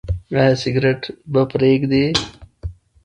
ایا سګرټ به پریږدئ؟